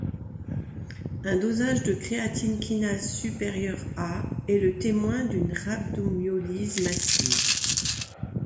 Un dosage de créatine kinase supérieur à est le témoin d'une rhabdomyolyse massive.